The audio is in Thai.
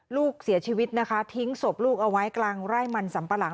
ลูกเสียชีวิตนะคะทิ้งศพลูกเอาไว้กลางไร่มันสัมปะหลัง